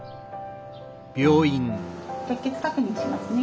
結節確認しますね。